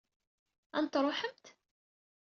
Ad n-truḥemt?